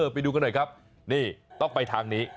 ไปดูกันหน่อยครับนี่ต้องไปทางนี้